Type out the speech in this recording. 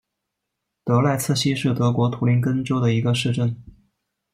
德赖茨希是德国图林根州的一个市镇。